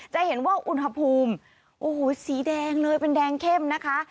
จะเห็นว่าอุณหภูมิโอ้โหสีแดงเลยเป็นแดงเข้มนะคะ